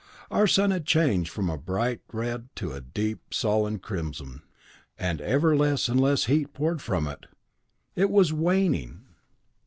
Our sun had changed from bright red to a deep, sullen crimson, and ever less and less heat poured from it. It was waning!